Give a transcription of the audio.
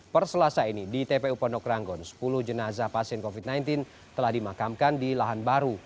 perselasa ini di tpu pondok ranggon sepuluh jenazah pasien covid sembilan belas telah dimakamkan di lahan baru